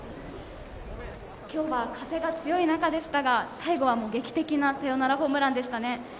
きょうは風が強い中でしたが最後は劇的なサヨナラホームランでしたね。